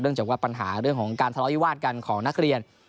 เนื่องจากว่าปัญหาเรื่องของการทะล้อยวาดกันของนักเรียน